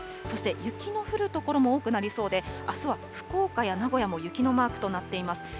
そして雪の降る所も多くなりそうで、あすは福岡や名古屋も雪のマークとなっています。